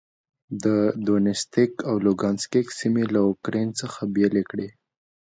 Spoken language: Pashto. د دونیتسک او لوګانسک سیمې له اوکراین څخه بېلې کړې.